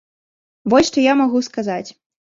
Вось што я магу сказаць.